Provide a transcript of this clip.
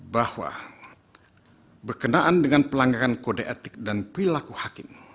bahwa berkenaan dengan pelanggaran kode etik dan perilaku hakim